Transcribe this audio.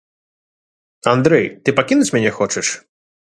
Андрэй, ты пакінуць мяне хочаш?